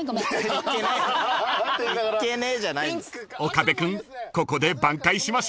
［岡部君ここで挽回しましょう］